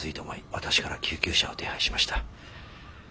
私から救急車を手配しました。